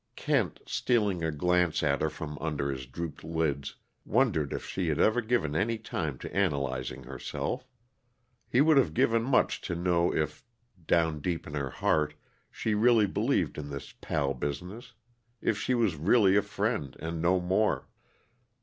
Kent, stealing a glance at her from under his drooped lids, wondered if she had ever given any time to analyzing herself. He would have given much to know if, down deep in her heart, she really believed in this pal business; if she was really a friend, and no more.